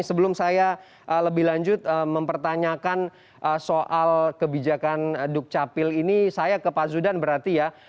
sebelum saya lebih lanjut mempertanyakan soal kebijakan dukcapil ini saya ke pak zudan berarti ya